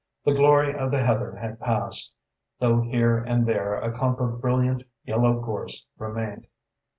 The glory of the heather had passed, though here and there a clump of brilliant yellow gorse remained.